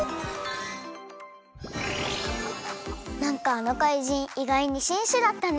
なんかあのかいじんいがいにしんしだったね。